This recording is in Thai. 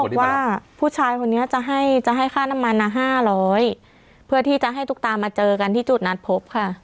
บอกว่าผู้ชายคนนี้จะให้จะให้ค่าน้ำมัน๕๐๐เพื่อที่จะให้ตุ๊กตามาเจอกันที่จุดนัดพบค่ะ